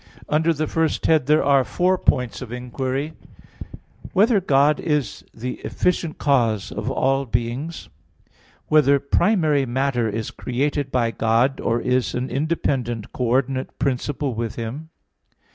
Under the first head there are four points of inquiry: (1) Whether God is the efficient cause of all beings? (2) Whether primary matter is created by God, or is an independent coordinate principle with Him?